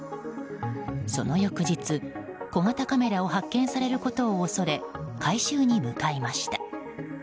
その翌日、小型カメラを発見されることを恐れ回収に向かいました。